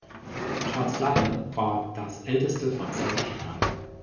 Charles Lyell war das älteste von zehn Kindern.